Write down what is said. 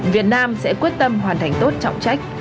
việt nam sẽ quyết tâm hoàn thành tốt trọng trách